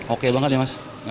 oke banget ya mas